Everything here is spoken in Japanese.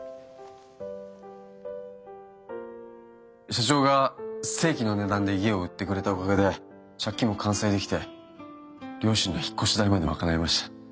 社長が正規の値段で家を売ってくれたおかげで借金も完済できて両親の引っ越し代まで賄えました。